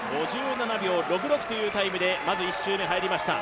５７秒６６というタイムで、まず１周目入りました。